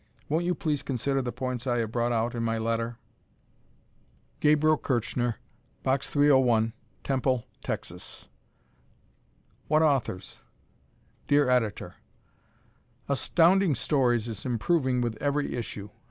Won't you please consider the points I have brought out in my letter? Gabriel Kirschner, Box 301, Temple, Texas. "What Authors!" Dear Editor: Astounding Stories is improving with every issue.